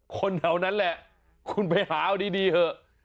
คนแถวนั้นแหละคุณไปหาเอาดีเถอะ